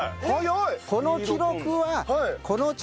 その記録は。